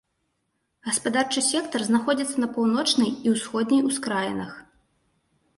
Гаспадарчы сектар знаходзіцца на паўночнай і ўсходняй ускраінах.